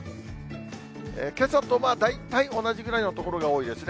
けさとまあ、大体同じぐらいの所が多いですね。